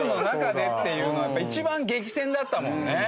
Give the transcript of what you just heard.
やっぱ一番激戦だったもんね。